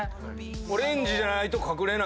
オレンジじゃないと隠れない？